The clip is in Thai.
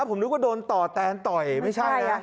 ผมนึกว่าโดนต่อแตนต่อยไม่ใช่นะ